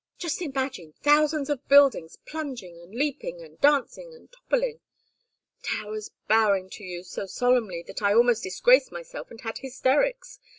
Just imagine thousands of buildings plunging, and leaping, and dancing, and toppling. Towers bowing to you so solemnly that I almost disgraced myself and had hysterics.